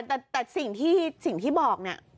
แต่สิ่งที่บอกเนี่ย